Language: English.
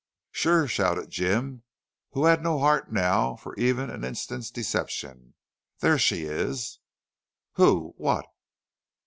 "Sure!" shouted Jim, who had no heart now for even an instant's deception. "There she is!" "Who?... What?"